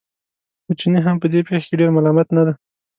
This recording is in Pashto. خو چینی هم په دې پېښه کې ډېر ملامت نه دی.